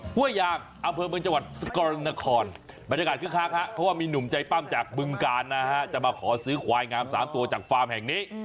ห้วยยางอำเภอเมืองจังหวัดสกรณนครบรรยากาศคึกคักครับเพราะว่ามีหนุ่มใจปั้มจากบึงกาลนะฮะจะมาขอซื้อควายงาม๓ตัวจากฟาร์มแห่งนี้